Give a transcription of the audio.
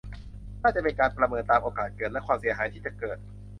น่าจะเป็นการประเมินตามโอกาสเกิดและความเสียหายที่จะเกิด